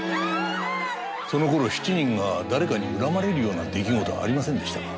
その頃７人が誰かに恨まれるような出来事はありませんでしたか？